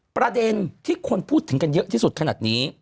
ประเด็นที่คนพูดถึงกันเยอะที่สุดขนาดนี้